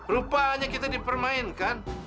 rupanya kita dipermainkan